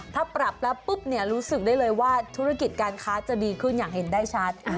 ถ้าปรับแล้วปุ๊บเนี่ยรู้สึกได้เลยว่าธุรกิจการค้าจะดีขึ้นอย่างเห็นได้ชัด